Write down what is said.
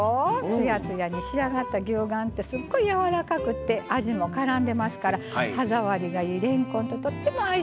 つやつやに仕上がった牛丸ってすっごいやわらかくて味もからんでますから歯触りがいいれんこんととっても相性がいいんです。